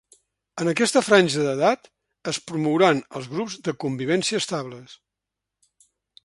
En aquesta franja d’edat, es promouran els grups de convivència estables.